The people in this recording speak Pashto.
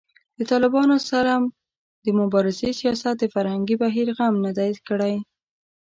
د طالبانو سره د مبارزې سیاست د فرهنګي بهیر غم نه دی کړی